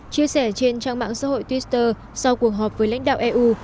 chia sẻ trên trang mạng xã hội twitter sau cuộc họp với lãnh đạo eu